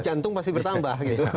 jantung pasti bertambah gitu